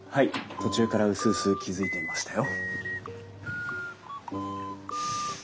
途中からうすうす気付いていましたよ。